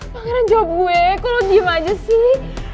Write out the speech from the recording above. pangeran jawab gue kok lu diem aja sih